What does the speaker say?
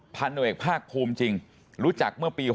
พันธุเอกภาคภูมิจริงรู้จักเมื่อปี๖๐